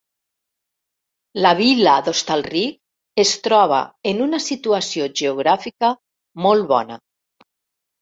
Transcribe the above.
La vila d’Hostalric es troba en una situació geogràfica molt bona.